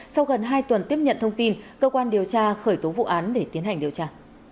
sau gần hai tuần tiếp nhận thông tin cơ quan điều tra khởi tố vụ án để tiến hành điều tra